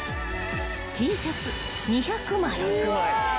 ［Ｔシャツ２００枚］